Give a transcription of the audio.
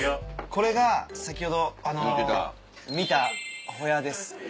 これが先ほど見たホヤです。